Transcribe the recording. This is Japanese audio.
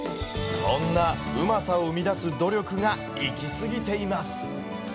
そんな、うまさを生み出す努力がいきすぎています。